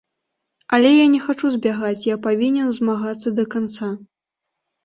Але я не хачу збягаць, я павінен змагацца да канца.